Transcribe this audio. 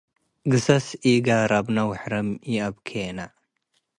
ግሰስ ኢጋረብነ - ወሕረም ይአትባኬነ